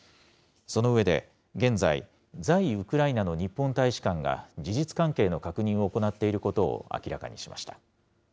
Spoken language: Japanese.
その上で、現在、在ウクライナの日本大使館が事実関係の確認を行っていることを明らかにしました。